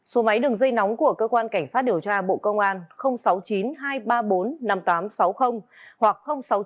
số máy đường dây nóng của cơ quan cảnh sát điều tra bộ công an sáu mươi chín hai trăm ba mươi bốn năm nghìn tám trăm sáu mươi hoặc sáu mươi chín hai trăm ba mươi hai một nghìn sáu trăm sáu mươi